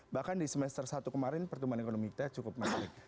bahkan di semester satu kemarin pertumbuhan ekonomi kita cukup naik